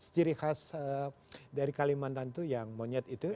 ciri khas dari kalimantan itu yang monyet itu